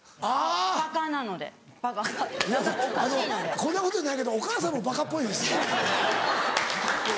こんなこと言うの何やけどお母さんもバカっぽいですよ。